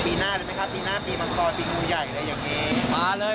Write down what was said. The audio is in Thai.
ปีหน้าได้ไหมครับปีน่าปีมังกรปีมูยใหญ่และอย่างงี้